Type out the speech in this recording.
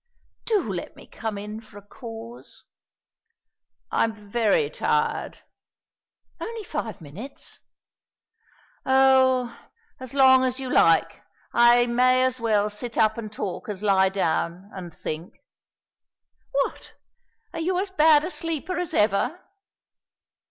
"Do let me come in for a cause." "I'm very tired." "Only five minutes." "Oh, as long as you like. I may as well sit up and talk as lie down, and think." "What, are you as bad a sleeper as ever?"